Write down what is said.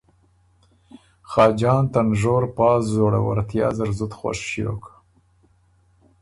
خاجان ته نژور پا زوړوَرتیا زر زُت خوش ݭیوک